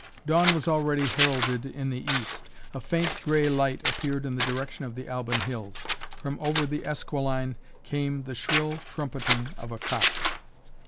Dawn was already heralded in the East. A faint grey light appeared in the direction of the Alban Hills. From over the Esquiline came the shrill trumpeting of a cock.